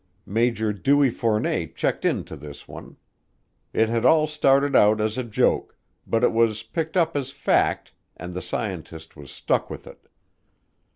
Major Dewey Fournet checked into this one. It had all started out as a joke, but it was picked up as fact and the scientist was stuck with it.